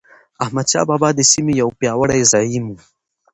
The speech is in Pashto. احمدشاه بابا د سیمې یو پیاوړی زعیم و.